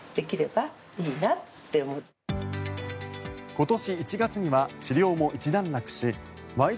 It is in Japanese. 今年１月には治療も一段落し「ワイド！